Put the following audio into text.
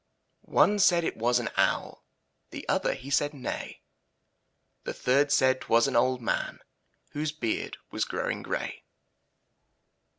One said it was an owl, The other, he said nay; The third said 'twas an old man Whose beard was growing grey.